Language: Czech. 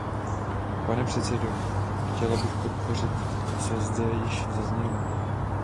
Pane předsedo, chtěla bych podpořit, co zde již zaznělo.